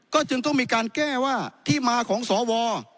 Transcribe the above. ก็จึงต้องมีการแก้ว่าที่มาของสว